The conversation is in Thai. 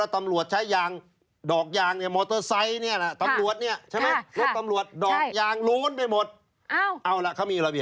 เอาล่ะเขามีระเบียบอย่างไรคุณนิว